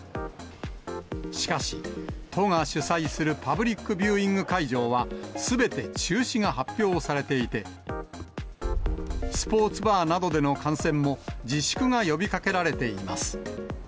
しかし、都が主催するパブリックビューイング会場はすべて中止が発表されていて、スポーツバーなどでの観戦も、自粛が呼びかけられています。